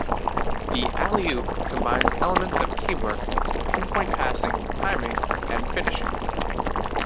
The alley-oop combines elements of teamwork, pinpoint passing, timing and finishing.